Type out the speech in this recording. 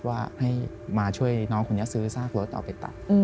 ว่าให้มาช่วยน้องคนนี้ซื้อซากรถเอาไปตัด